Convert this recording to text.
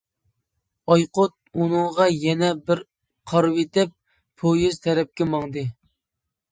ئايقۇت ئۇنىڭغا يەنە بىر قارىۋېتىپ پويىز تەرەپكە ماڭدى.